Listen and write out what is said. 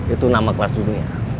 itu nama kelas dunia